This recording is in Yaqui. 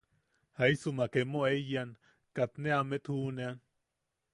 Jaisumak emo eiyan, kat ne amet juʼunean...